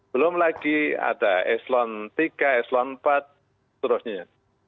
belum lagi ada eselon tiga eselon empat seterusnya